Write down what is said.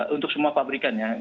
untuk semua pabrikan ya